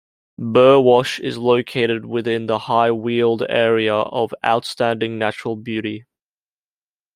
Burwash is located within the High Weald Area of Outstanding Natural Beauty.